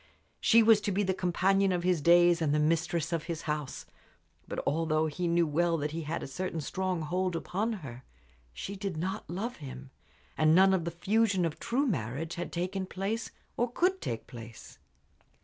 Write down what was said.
She was to be the companion of his days and the mistress of his house. But although he knew well that he had a certain strong hold upon her, she did not love him, and none of the fusion of true marriage had taken place or could take place.